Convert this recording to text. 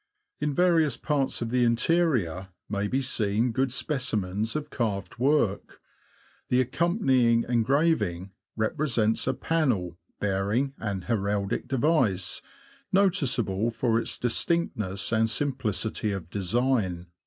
In various parts of the interior may be seen good specimens of carved work. The accompanying engraving repre sents a panel bearing an heraldic device, noticeable for its distinct ness and simplicity of design.